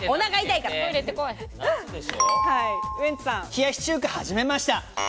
冷やし中華始めました。